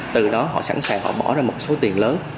từ đó họ sẵn sàng họ bỏ ra một số tiền lớn